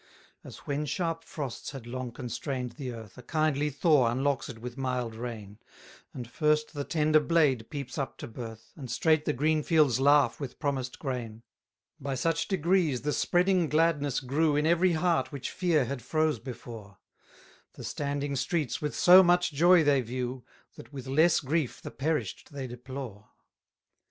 284 As when sharp frosts had long constrain'd the earth, A kindly thaw unlocks it with mild rain; And first the tender blade peeps up to birth, And straight the green fields laugh with promised grain: 285 By such degrees the spreading gladness grew In every heart which fear had froze before: The standing streets with so much joy they view, That with less grief the perish'd they deplore.